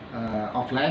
yang akan diperlukan